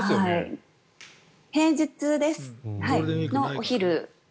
平日のお昼。